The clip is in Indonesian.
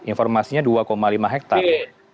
informasinya dua lima hektare